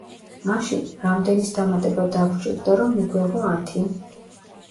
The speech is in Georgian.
მაშინ, რამდენის დამატება დაგვჭირდა, რომ მიგვეღო ათი?